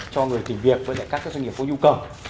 cho người tìm việc với các doanh nghiệp có nhu cầu